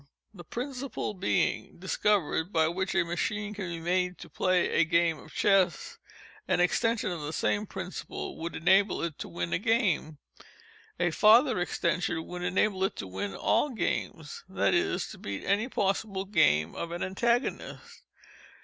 The _principle _being discovered by which a machine can be made to _play _a game of chess, an extension of the same principle would enable it to win a game—a farther extension would enable it to win _all _games—that is, to beat any possible game of an antagonist.